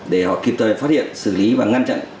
để họ kịp thời phát hiện xử lý và ngăn chặn